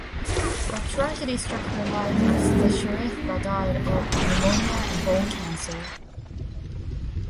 But tragedy struck her life as the Shrestha died of pneumonia and bone cancer.